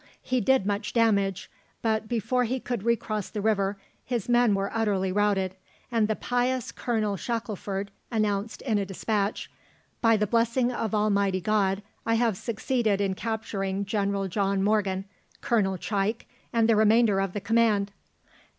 He did much damage; but before he could recross the river, his men were utterly routed, and the pious Colonel Shackelford announced in a despatch, "By the blessing of Almighty God, I have succeeded in capturing General John Morgan, Colonel Chike, and the remainder of the command."